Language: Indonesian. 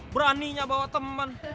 beraninya bawa temen